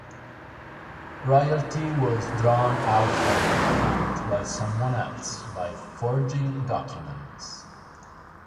Royalty was drawn out from their account by someone else by forging documents.